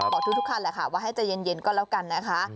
บอกทุกคันแหละค่ะว่าให้ใจเย็นก็แล้วกันนะคะ